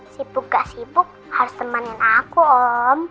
sibuk gak sibuk harus temenin aku om